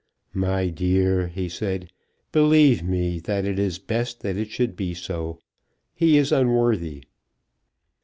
"My dear," he said, "believe me that it is best that it should be so. He is unworthy."